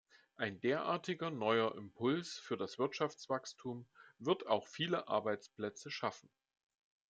Ein derartiger neuer Impuls für das Wirtschaftswachstum wird auch viele Arbeitsplätze schaffen.